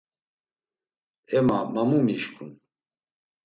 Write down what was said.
E ma, ma; mu mişǩun?